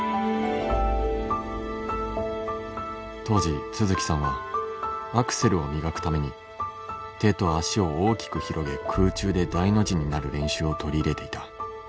当時都築さんはアクセルを磨くために手と足を大きく広げ空中で大の字になる練習を取り入れていた。